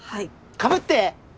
かぶって！